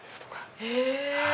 へぇ。